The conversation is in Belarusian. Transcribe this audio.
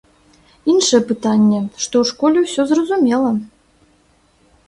Іншае пытанне, што ў школе ўсё зразумела.